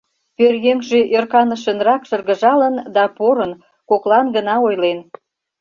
Пӧръеҥже ӧрканышынрак шыргыжалын да порын, коклан гына ойлен: